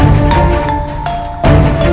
tetapi tolong aku